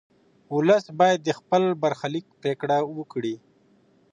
ولس باید د خپل برخلیک پرېکړه وکړي.